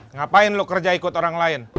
ngapain lo kerja ikut orang lain